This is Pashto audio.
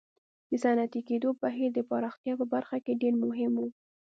د صنعتي کېدو بهیر د پراختیا په برخه کې ډېر مهم و.